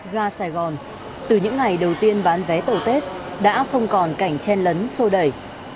ga sài gòn từ những ngày đầu tiên bán vé tàu tết đã không còn cảnh chen lấn sô đẩy